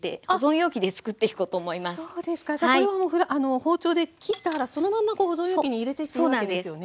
じゃあこれはあの包丁で切ったらそのまま保存容器に入れていっていいわけですよね。